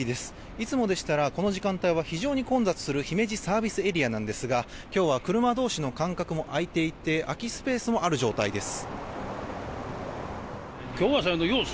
いつもでしたらこの時間帯は非常に混雑する姫路ＳＡですが今日は車同士の間隔も開いていて空きスペースもある状態です。